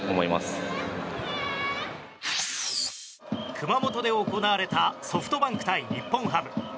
熊本で行われたソフトバンク対日本ハム。